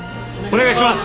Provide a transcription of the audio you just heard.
お願いします！